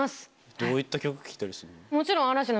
どういった曲聴いたりするの？